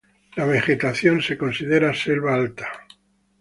La vegetación es considerada selva alta.